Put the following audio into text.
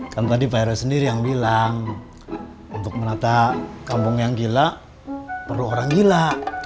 kan tadi pak hero sendiri yang bilang untuk menata kampung yang gila perlu orang gila